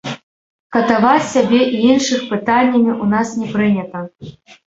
Катаваць сябе і іншых пытаннямі ў нас не прынята.